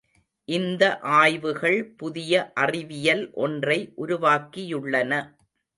இந்த ஆய்வுகள் புதிய அறிவியல் ஒன்றை உருவாக்கியுள்ளன.